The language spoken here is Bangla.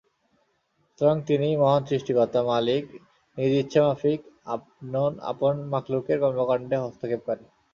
সুতরাং তিনিই মহান সৃষ্টিকর্তা, মালিক, নিজ ইচ্ছেমাফিক আপন মাখলুকের কর্মকাণ্ডে হস্তক্ষেপকারী।